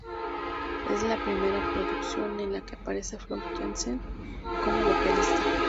Es la primera producción en la que aparece Floor Jansen como vocalista.